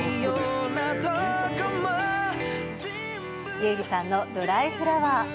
優里さんのドライフラワー。